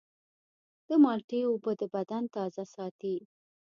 د مالټې اوبه د بدن تازه ساتي.